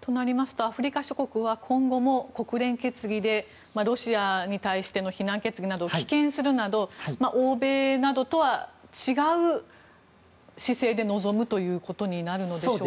となりますとアフリカ諸国は今後も国連決議でロシアに対しての非難決議を棄権するなど欧米などとは違う姿勢で臨むということになるのでしょうか。